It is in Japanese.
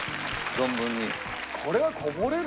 存分に。